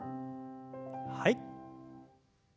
はい。